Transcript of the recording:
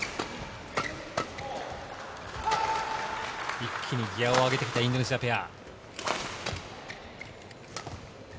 一気にギアを上げてきたインドネシアペア。